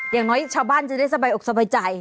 อย่างน้อยชาวบ้านจะได้สบายอกสบายใจ